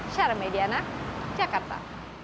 syara mediana jakarta